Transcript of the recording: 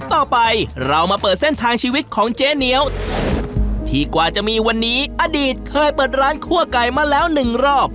ต่อไปเรามาเปิดเส้นทางชีวิตของเจ๊เหนียวที่กว่าจะมีวันนี้อดีตเคยเปิดร้านคั่วไก่มาแล้วหนึ่งรอบ